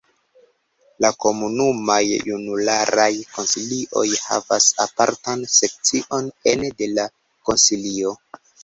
La komunumaj junularaj konsilioj havas apartan sekcion ene de la Konsilio.